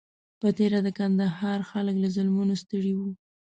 په تېره د کندهار خلک له ظلمونو ستړي وو.